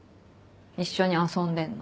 一緒に遊んでんの。